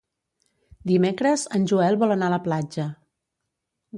Dimecres en Joel vol anar a la platja.